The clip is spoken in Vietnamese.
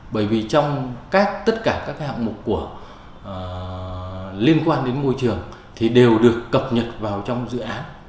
bởi vì trong tất cả các hạng mục liên quan đến môi trường thì đều được cập nhật vào trong dự án